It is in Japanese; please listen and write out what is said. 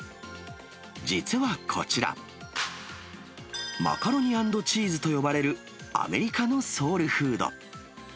実はこちら、マカロニ＆チーズと呼ばれるアメリカのソウルフード。